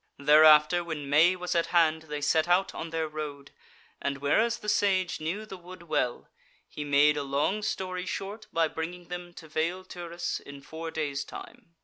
Thereafter when May was at hand they set out on their road, and whereas the Sage knew the wood well, he made a long story short by bringing them to Vale Turris in four days' time.